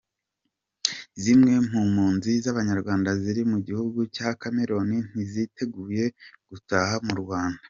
Zimwe mu mpunzi z’Abanyarwanda ziri mu gihugu cya Cameroun ntiziteguye gutaha mu Rwanda.